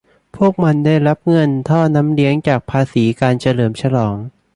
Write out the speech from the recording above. พวกมันได้รับเงินท่อน้ำเลี้ยงจากภาษีการเฉลิมฉลอง